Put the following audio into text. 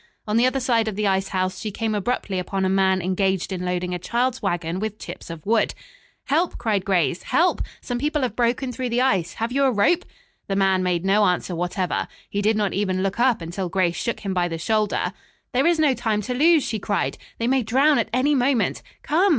On the other side of the ice house she came abruptly upon a man engaged in loading a child's wagon with chips of wood. "Help!" cried Grace. "Help! Some people have broken through the ice. Have you a rope?" The man made no answer whatever. He did not even look up until Grace shook him by the shoulder. "There is no time to lose," she cried. "They may drown at any moment. Come!